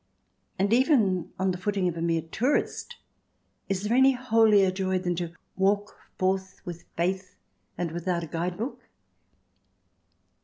And even on the footing of a mere tourist, is there any holier joy than to walk forth with faith and without a guide book